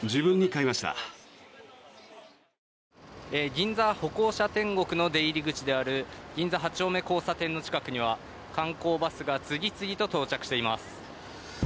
銀座歩行者天国の出入り口である銀座八丁目交差点の近くには観光バスが次々と到着しています。